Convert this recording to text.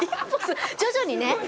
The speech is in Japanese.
徐々にね。